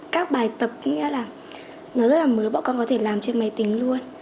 các bài tập có nghĩa là nó rất là mới bọn con có thể làm trên máy tính luôn